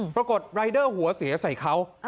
ปรากฏรายเดอร์หัวเสียใส่เขา